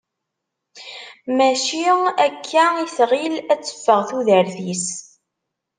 Mačči akka i tɣil ad teffeɣ tudert-is.